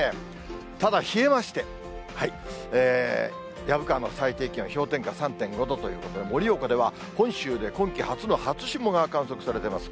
ただ冷えまして、薮川の最低気温、氷点下３．５度ということで、盛岡では本州で今季初の初霜が観測されてます。